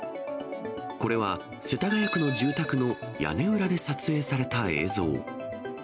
これは世田谷区の住宅の屋根裏で撮影された映像。